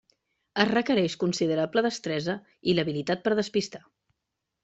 Es requereix considerable destresa i l'habilitat per despistar.